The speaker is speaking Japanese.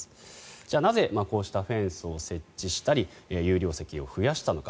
じゃあ、なぜこうしたフェンスを設置したり有料席を増やしたりしたのか。